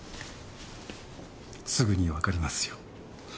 すぐにわかりますよ。